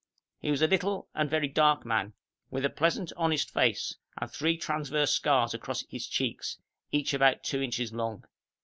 He was a little and very dark man, with a pleasant, honest face, and three transverse scars across his cheeks, each about two inches long.